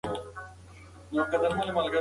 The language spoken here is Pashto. د باکیفیته کتابونو له لارې د پوهې کچه لوړه شي.